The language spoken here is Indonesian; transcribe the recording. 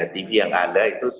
tv yang ada itu